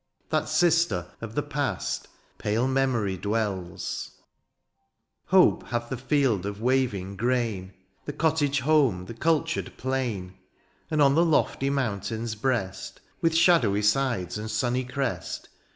That sister of the past, pale memory, dwells, Hope hath the field of waving grain. The cottage home, the cultured plain ; And on the lofty mountain's breast. With shadowy sides and sunny crest.